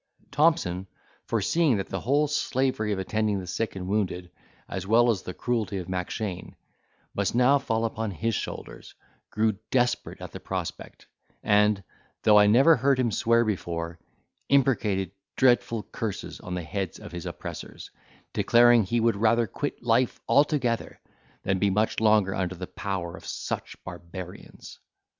Thompson, foreseeing that the whole slavery of attending the sick and wounded, as well as the cruelty of Mackshane, must now fall upon his shoulders, grew desperate at the prospect, and, though I never heard him swear before, imprecated dreadful curses on the heads of his oppressors, declaring that he would rather quit life altogether than be much longer under the power of such barbarians.